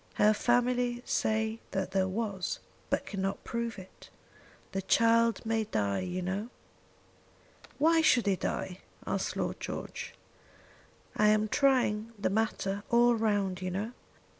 Her family say that there was, but cannot prove it. The child may die, you know." "Why should he die?" asked Lord George. "I am trying the matter all round, you know.